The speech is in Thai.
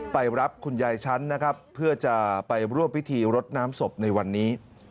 ไปรับคุณยายชั้นนะครับเพื่อจะไปร่วมพิธีรดน้ำศพในวันนี้